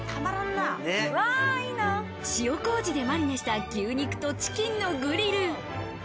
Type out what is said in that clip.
塩麹でマリネした牛肉とチキンのグリル。